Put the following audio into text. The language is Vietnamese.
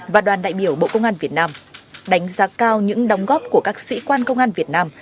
và đoàn đại biểu bộ công an việt nam đánh giá cao những đóng góp của các sĩ quan công an việt nam